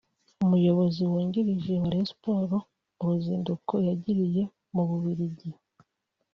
Umuyobozi wungirije wa Rayon Sports mu ruzinduko yagiriye mu Bubiligi